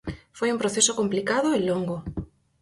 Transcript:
Foi un proceso complicado e longo.